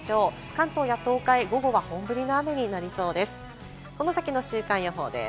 関東や東海、午後は本降りの雨になりそうです。